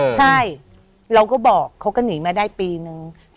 ใช่เราก็บอกเขาก็หนีมาได้ปีนึง